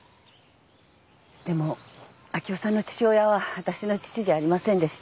でも明生さんの父親は私の父じゃありませんでした。